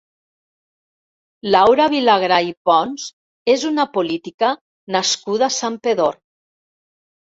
Laura Vilagrà i Pons és una política nascuda a Santpedor.